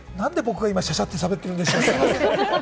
なんで僕がしゃしゃってしゃべっているんでしょうか。